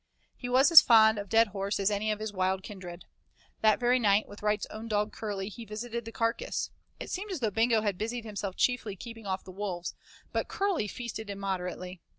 He was as fond of dead horse as any of his wild kindred. That very night, with Wright's own dog Curley, he visited the carcass. It seemed as though Bing had busied himself chiefly keeping off the wolves, but Curley feasted immoderately.